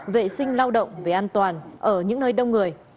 vệ sinh lao động về an toàn ở những nơi đông người